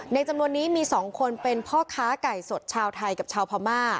จำนวนนี้มี๒คนเป็นพ่อค้าไก่สดชาวไทยกับชาวพม่า